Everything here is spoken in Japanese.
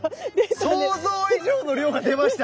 想像以上の量が出ました！